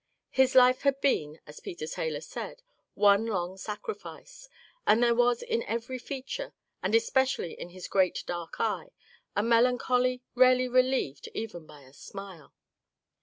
His life had been, as Peter Taylor said, ^^ one long sacrifice," and there was in every feature, and especially in his great dark eye, a melancholy rarely relieved even by a smile.